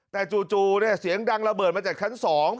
แต่จู่เนี่ยเสียงดังระเบิดมาจากคัน๒